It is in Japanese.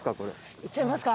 行っちゃいますか。